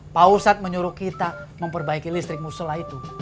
pausat menyuruh kita memperbaiki listrik musela itu